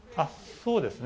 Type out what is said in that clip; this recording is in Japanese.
そうですね。